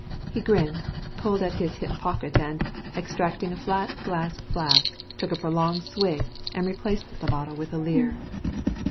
He grinned, pulled at his hip pocket and, extracting a flat glass flask, took a prolonged swig and replaced the bottle with a leer.